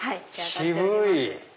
渋い！